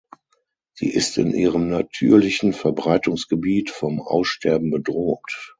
Sie ist in ihrem natürlichen Verbreitungsgebiet vom Aussterben bedroht.